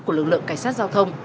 của lực lượng cảnh sát giao thông